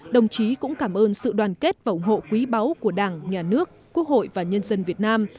đồng chí cũng cảm ơn sự đoàn kết và ủng hộ quý báu của đảng nhà nước quốc hội và nhân dân việt nam